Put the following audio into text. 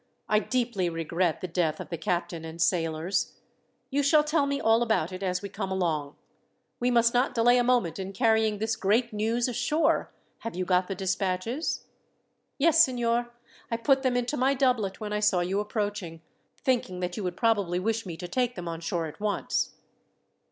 "I deeply regret the death of the captain and sailors. You shall tell me all about it as we come along. We must not delay a moment in carrying this great news ashore. Have you got the despatches?" "Yes, signor. I put them into my doublet when I saw you approaching, thinking that you would probably wish me to take them on shore at once."